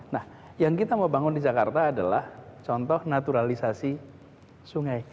nah yang kita mau bangun di jakarta adalah contoh naturalisasi sungai